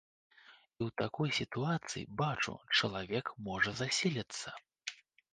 І ў такой сітуацыі, бачу, чалавек можа засіліцца.